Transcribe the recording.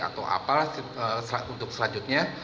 atau apa untuk selanjutnya